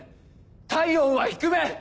体温は低め。